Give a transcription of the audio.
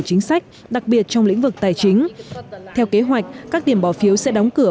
chính sách đặc biệt trong lĩnh vực tài chính theo kế hoạch các điểm bỏ phiếu sẽ đóng cửa